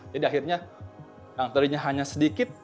jadi akhirnya yang tadinya hanya sedikit